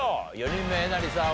４人目えなりさん